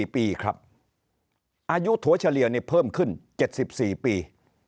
๔ปีครับอายุถั่วเฉลี่ยเพิ่มขึ้น๗๔ปี